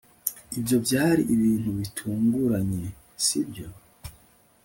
Ibyo byari ibintu bitunguranye sibyo